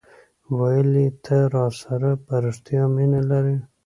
ویل یي ته راسره په ریښتیا مینه لرې